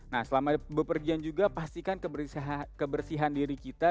nah selama bepergian juga pastikan kebersihan diri kita